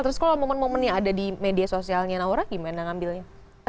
terus kalau momen momen yang ada di media sosialnya naura gimana ngambilnya